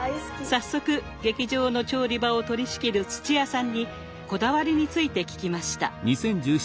早速劇場の調理場を取りしきる土屋さんにこだわりについて聞きました。